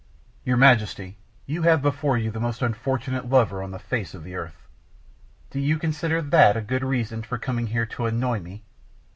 "Your Majesty, you have before you the most unfortunate lover on the face of the earth." "Do you consider that a good reason for coming here to annoy me?"